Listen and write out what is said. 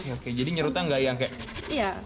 oke jadi nyerutnya nggak yang kayak